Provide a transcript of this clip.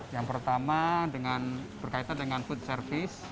yang pertama berkaitan dengan food service